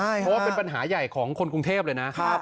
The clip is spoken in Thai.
เพราะว่าเป็นปัญหาใหญ่ของคนกรุงเทพเลยนะ